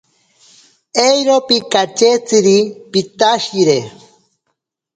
Ero pikachetziri pitashire.